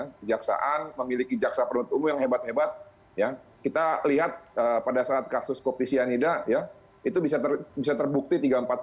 ketika kita melihat kejaksaan memiliki jaksa penuntung yang hebat hebat kita lihat pada saat kasus kopisianida itu bisa terbukti tiga ratus empat puluh